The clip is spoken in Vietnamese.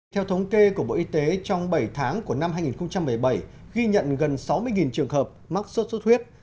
theo thống kê của bộ y tế trong bảy tháng của năm hai nghìn một mươi bảy ghi nhận gần sáu mươi trường hợp mắc sốt xuất huyết